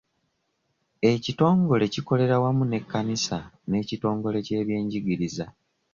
Ekitongole kikolera wamu n'ekkanisa n'ekitongole ky'ebyenjigiriza.